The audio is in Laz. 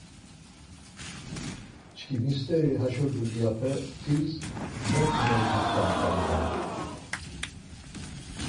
çkimi steri haşo dulyape tis mot meyegixtamt̆an ya.